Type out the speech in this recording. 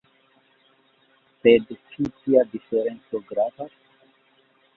Sed ĉu tia diferenco gravas?